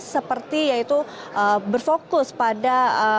seperti yaitu berfokus pada